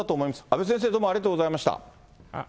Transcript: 阿部先生、ありがとうございました。